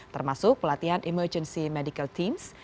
termasuk pelatihan emergency medical teams